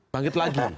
bangkit lagi ya